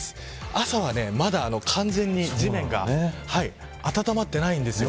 朝は、まだ完全に地面が温まっていないんですよ